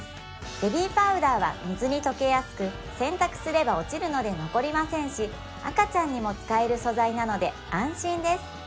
ベビーパウダーは水に溶けやすく洗濯すれば落ちるので残りませんし赤ちゃんにも使える素材なので安心です